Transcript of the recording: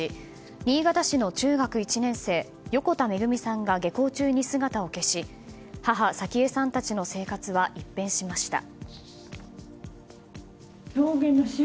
新潟市の中学１年生横田めぐみさんが下校中に姿を消し母・早紀江さんたちの生活は一変しました。